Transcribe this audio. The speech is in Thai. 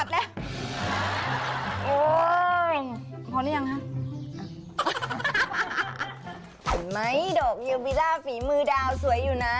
เห็นไหมดอกเยบิล่าฝีมือดาวสวยอยู่นะ